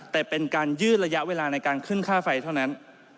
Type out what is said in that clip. แต่เป็นการยืดระยะเวลาในการขึ้นค่าไฟเท่านั้น